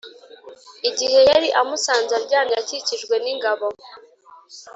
igihe yari amusanze aryamye akikijwe n’ingabo